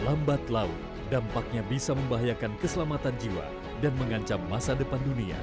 lambat laut dampaknya bisa membahayakan keselamatan jiwa dan mengancam masa depan dunia